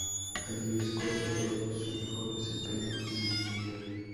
Allí Escocia logró su mejor desempeño en un Mundial.